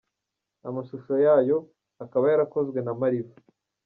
Amashusho yayo akaba yarakozwe na Ma~Riva.